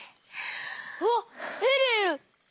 あっえるえる！